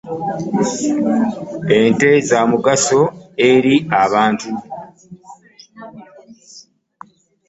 Ente zaamugaso eri abantu.